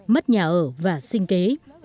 mất nhà ở và sinh kế